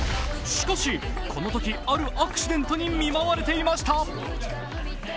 しかし、このときあるアクシデントに見舞われていました。